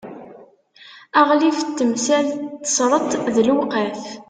aɣlif n temsal n tesreḍt d lewqaf